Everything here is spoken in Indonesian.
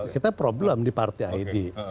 kita problem di partai id